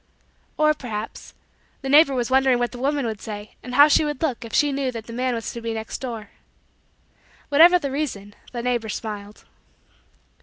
Or, perhaps, the neighbor was wondering what the woman would say and how she would look if she knew that the man was to be next door. Whatever the reason the neighbor smiled.